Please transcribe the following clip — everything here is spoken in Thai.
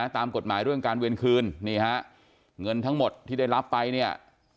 ตามกฎหมายเรื่องการเวียนคืนนี่ฮะเงินทั้งหมดที่ได้รับไปเนี่ย